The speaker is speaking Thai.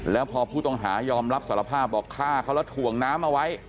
แล้วพอผู้ต้องหายอมรับสารภาพบอกฆ่าเขาแล้วถ่วงน้ำเอาไว้